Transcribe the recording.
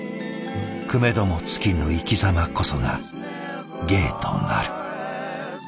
くめども尽きぬ生きざまこそが芸となる。